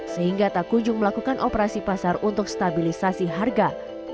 sehingga tak kunjung melakukan operasi pasar untuk stabilisasi harga